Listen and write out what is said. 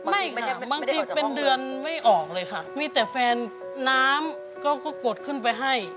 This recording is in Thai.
บางทีเป็นเดือนไม่ออกเลยค่ะมีแต่แฟนน้ำก็กดขึ้นไปให้